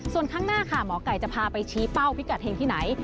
ส่วนข้างหน้าค่ะหมอไก่จะพาไปชี้เป้าพิกัดเฮงที่ไหน